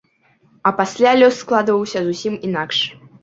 А пасля лёс складваўся зусім інакш.